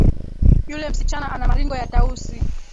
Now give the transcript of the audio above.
Yule msichana ana maringo ya tausi.